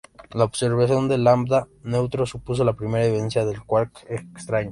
La observación del lambda neutro supuso la primera evidencia del quark extraño.